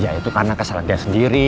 ya itu karena kesalahan dia sendiri